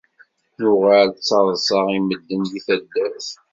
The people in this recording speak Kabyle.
Nuɣal d taḍsa i medden deg taddart.